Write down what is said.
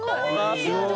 すごーい。